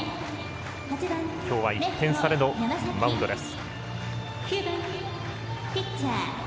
きょうは１点差でのマウンドです。